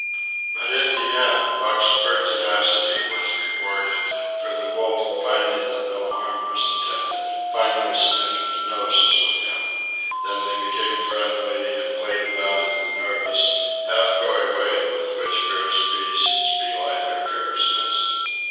But in the end Buck's pertinacity was rewarded; for the wolf, finding that no harm was intended, finally sniffed noses with him. Then they became friendly, and played about in the nervous, half coy way with which fierce beasts belie their fierceness.